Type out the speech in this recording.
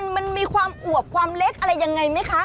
มันมีความอวบความเล็กอะไรยังไงไหมคะ